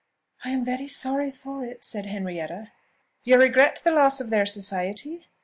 "I am very sorry for it," said Henrietta. "You regret the loss of their society?